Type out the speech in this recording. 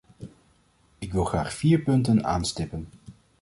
Ik wil graag vier punten aanstippen.